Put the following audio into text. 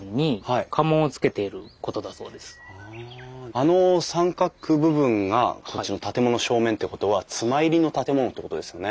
あの三角部分がこっちの建物の正面ってことは妻入りの建物ってことですよね？